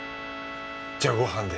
じゃあごはんで。